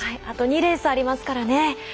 あと２レースありますからね。